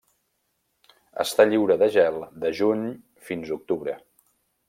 Està lliure de gel de juny fins octubre.